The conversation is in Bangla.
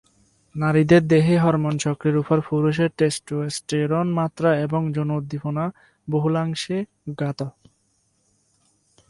নারীদের দেহের হরমোন চক্রের উপর পুরুষের টেস্টোস্টেরন মাত্রা এবং যৌন উদ্দীপনা বহুলাংশে জ্ঞাত।